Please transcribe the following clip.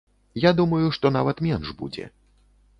Я думаю, што нават менш будзе.